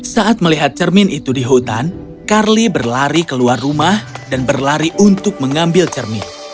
saat melihat cermin itu di hutan carly berlari keluar rumah dan berlari untuk mengambil cermin